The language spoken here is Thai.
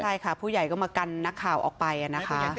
ใช่ค่ะผู้ใหญ่ก็มากันนักข่าวออกไปนะคะ